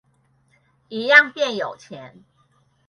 一樣變有錢